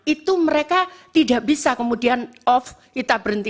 itu mereka tidak bisa kemudian off kita berhenti